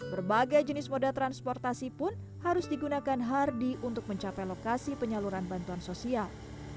berbagai jenis moda transportasi pun harus digunakan hardi untuk mencapai lokasi penyaluran bantuan sosial